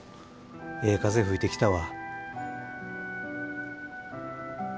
ええ風吹いてきたわ。